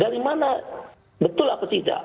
dari mana betul apa tidak